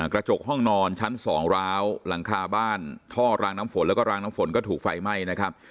กระจกห้องนอนชั้น๒ร้าวหลังคาบ้านท่อรางน้ำฝนแล้วก็รางน้ำฝนก็ถูกไฟไหม้นะครับ